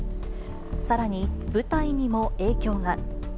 さらに舞台にも影響が。